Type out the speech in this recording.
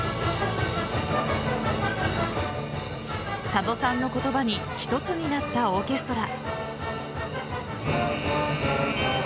佐渡さんの言葉に一つになったオーケストラ。